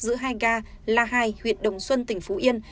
giữa hai ga la hai huyện đồng xuân tỉnh phú yên